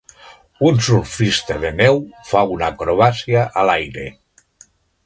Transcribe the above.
Un surfista de neu fa una acrobàcia a l'aire.